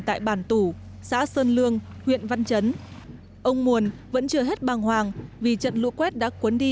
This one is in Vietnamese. tại bản tủ xã sơn lương huyện văn chấn ông muồn vẫn chưa hết bàng hoàng vì trận lũ quét đã cuốn đi